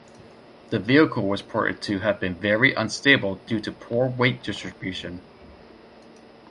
The vehicle was reported to have been very unstable due to poor weight distribution.